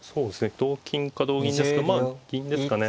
同金か同銀ですがまあ銀ですかね。